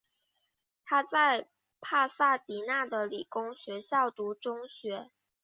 他在帕萨迪娜的理工学校读中学。